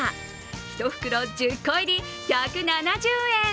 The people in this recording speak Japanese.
１袋１０個入り１７０円！